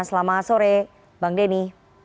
selamat sore bang denny